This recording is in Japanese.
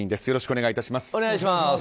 よろしくお願いします。